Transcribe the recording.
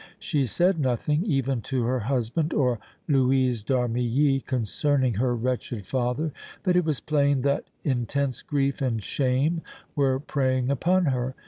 She said nothing, even to her husband or Louise d' Armilly, concerning her wretched father, but it was plain that intense grief and shame were preying upon her.